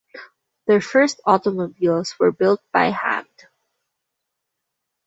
Their first automobiles were built by hand.